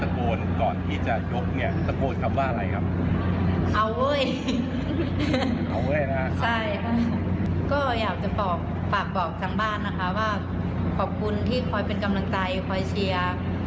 ก็อยากจะบอกฝากบอกทางบ้านนะคะว่าขอบคุณที่คอยเป็นกำลังใจคอยเชียร์